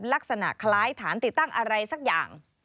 ลักษณะคล้ายฐานติดตั้งอะไรสักอย่าง